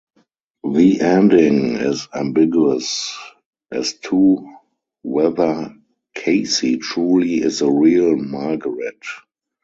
The ending is ambiguous as to whether Casey truly is the real Margaret.